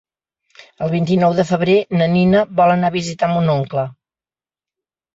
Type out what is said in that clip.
El vint-i-nou de febrer na Nina vol anar a visitar mon oncle.